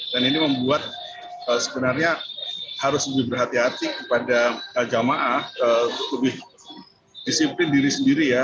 dan ini membuat sebenarnya harus lebih berhati hati kepada jemaah lebih disiplin diri sendiri ya